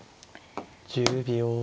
１０秒。